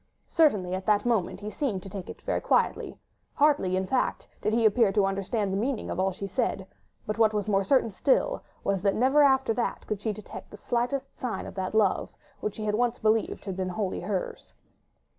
Certainly at the moment he seemed to take it very quietly; hardly, in fact, did he appear to understand the meaning of all she said; but what was more certain still, was that never after that could she detect the slightest sign of that love, which she once believed had been wholly hers.